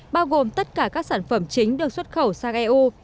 bao gồm tất cả các sản phẩm chính được xuất khẩu sang eu